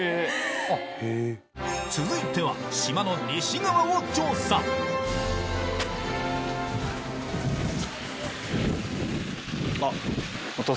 続いては島の西側を調査あっ。